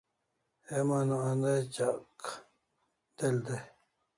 Heman o andai cha'ak del dai